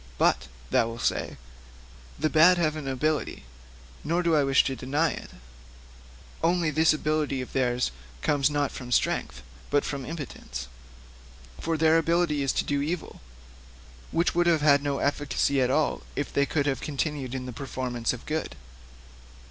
"But," thou wilt say, "the bad have an ability." Nor do I wish to deny it; only this ability of theirs comes not from strength, but from impotence. For their ability is to do evil, which would have had no efficacy at all if they could have continued in the performance of good.